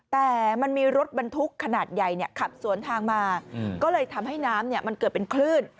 แต่มันมีรถบรรทุกขนาดใหญ่ขับสวนทางมาก็เลยทำให้น้ำมันเกิดเป็นคลื่น